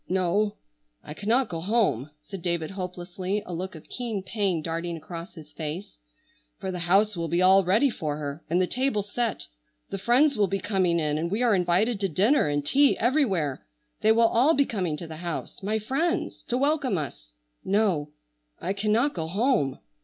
"No, I cannot go home," said David hopelessly, a look of keen pain darting across his face, "for the house will be all ready for her, and the table set. The friends will be coming in, and we are invited to dinner and tea everywhere. They will all be coming to the house, my friends, to welcome us. No, I cannot go home."